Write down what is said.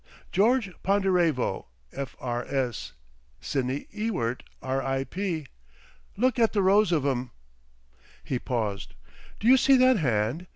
George Ponderevo, F.R.S., Sidney Ewart, R.I.P. Look at the rows of 'em!" He paused. "Do you see that hand?